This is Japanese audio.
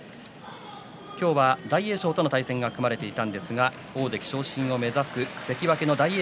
今日は大栄翔との対戦が組まれていたんですが大関昇進を目指す関脇の大栄